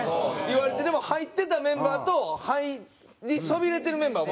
でも入ってたメンバーと入りそびれてるメンバーもおる。